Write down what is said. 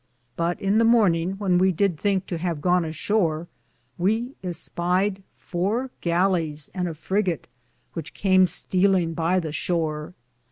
But in the morninge, when we did thinke to have gone a shore, we espied 4 gallis and a frigett, which came stealinge by the shore.